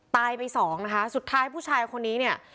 ไปสองนะคะสุดท้ายผู้ชายคนนี้เนี่ย